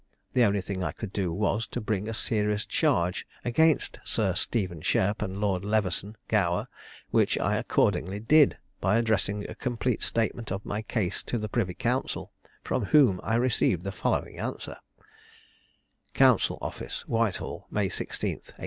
The only thing I could do was, to bring a serious charge against Sir Stephen Shairp and Lord Leveson Gower; which I accordingly did, by addressing a complete statement of my case to the privy council, from whom I received the following answer: "'Council Office, Whitehall, May 16, 1810.